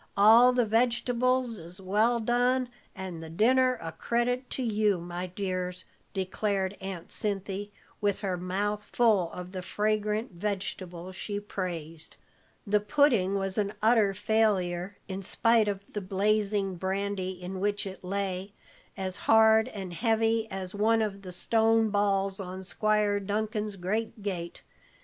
All the vegetables is well done, and the dinner a credit to you, my dears," declared Aunt Cinthy, with her mouth full of the fragrant vegetable she praised. The pudding was an utter failure, in spite of the blazing brandy in which it lay as hard and heavy as one of the stone balls on Squire Dunkin's great gate.